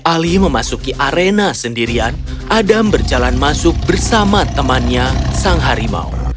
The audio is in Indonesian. jika alih alih memasuki arena sendirian adam berjalan masuk bersama temannya sang harimau